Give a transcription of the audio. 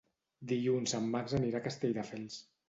Dilluns en Max anirà a Castelldefels.